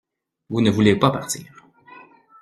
Vous ne voulez pas partir.